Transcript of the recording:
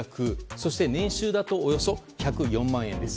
そして年収だとおよそ１０４万円です。